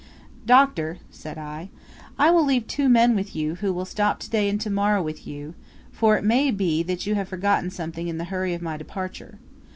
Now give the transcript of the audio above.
"Doctor," said I, "I will leave two men with you, who will stop to day and to morrow with you, for it may be that you have forgotten something in the hurry of my departure.